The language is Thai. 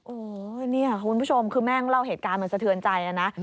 โอ้โหเนี่ยคุณผู้ชมคือแม่ก็เล่าเหตุการณ์มันสะเทือนใจนะ